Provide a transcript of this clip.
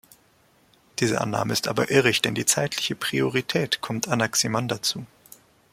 Diese Annahme ist aber irrig, denn die zeitliche Priorität kommt Anaximander zu.